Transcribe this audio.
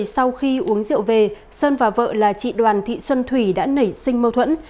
sau khi uống rượu về sơn và vợ là chị đoàn thị xuân thủy đã nảy sinh mâu thuẫn